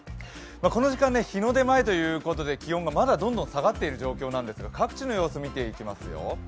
この時間、日の出前ということで気温がまだどんどん下がっている状況なんですが各地の様子、見ていきますよ。